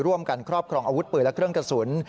ครอบครองอาวุธปืนและเครื่องกระสุน